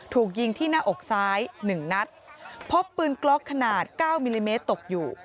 ถูกยิงที่หน้าอกซ้ายหนึ่งนัดพบปืนกล็อกขนาดเก้ามิลลิเมตรตกอยู่